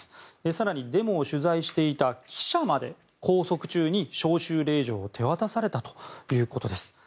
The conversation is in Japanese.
更に、デモを取材していた記者まで拘束中に招集令状を手渡されたということです。